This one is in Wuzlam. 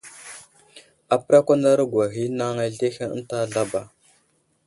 Apərakwanarogwa ghay i anaŋ azlehe ənta zlaba.